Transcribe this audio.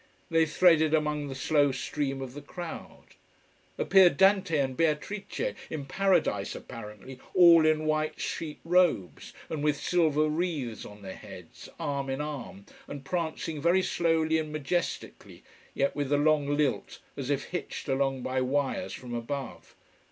They threaded among the slow stream of the crowd. Appeared Dante and Beatrice, in Paradise apparently, all in white sheet robes, and with silver wreaths on their heads, arm in arm, and prancing very slowly and majestically, yet with the long lilt as if hitched along by wires from above.